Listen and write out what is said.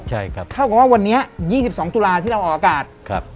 เข้ากับว่าวันนี้๒๒ตุลาห์ที่เราออกอากาศ